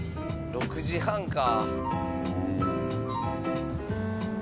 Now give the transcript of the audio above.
６時半か。